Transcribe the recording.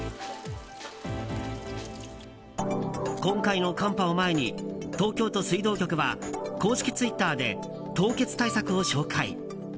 今回の寒波を前に東京都水道局は公式ツイッターで凍結対策を紹介。